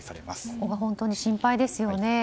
ここは本当に心配ですよね。